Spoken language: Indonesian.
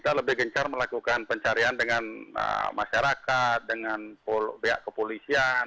kita lebih gencar melakukan pencarian dengan masyarakat dengan pihak kepolisian